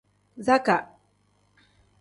Zakaa.